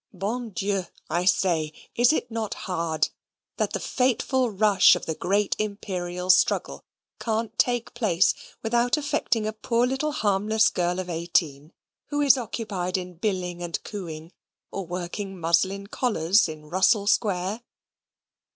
Bon Dieu, I say, is it not hard that the fateful rush of the great Imperial struggle can't take place without affecting a poor little harmless girl of eighteen, who is occupied in billing and cooing, or working muslin collars in Russell Square?